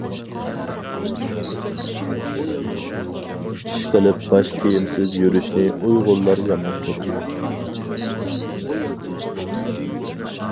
ئىشقىلىپ باش كىيىمسىز يۈرۈشنى ئۇيغۇرلار يامان كۆرىدۇ.